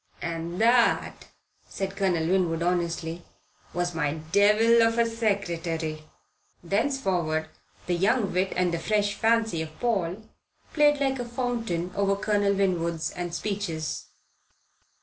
"And that," said Colonel Winwood honestly, "was my young devil of a secretary." Thenceforward the young wit and the fresh fancy of Paul played like a fountain over Colonel Winwood's speeches.